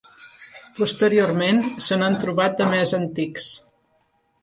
Posteriorment se n'han trobat de més antics.